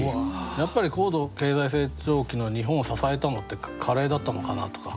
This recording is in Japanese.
やっぱり高度経済成長期の日本を支えたのってカレーだったのかなとか。